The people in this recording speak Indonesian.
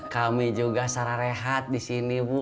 kami juga secara rehat di sini bu